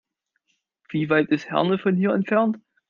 Wie weit ist Herne von hier entfernt?